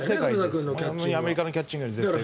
アメリカのキャッチングより絶対いいです。